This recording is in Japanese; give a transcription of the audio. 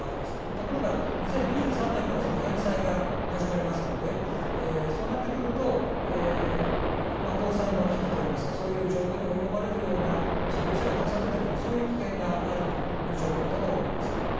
ところが、２０２３年からその返済が始まりますのでそうなってくると倒産の危機といいますかそういう状況に追い込まれるような事業者がたくさん出てくるそういう危険があるという状況だと思います。